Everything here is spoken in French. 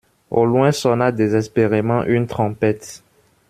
Au loin sonna désespérément une trompette.